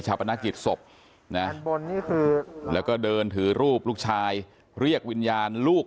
ปนักกิจศพนะแล้วก็เดินถือรูปลูกชายเรียกวิญญาณลูก